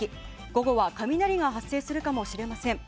午後は雷が発生するかもしれません。